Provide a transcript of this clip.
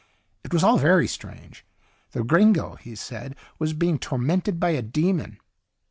It was all very strange. The gringo, he said, was being tormented by a demon.